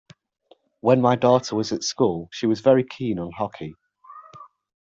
When my daughter was at school she was very keen on hockey